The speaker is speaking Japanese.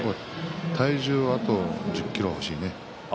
体重があと１０ｋｇ欲しいね。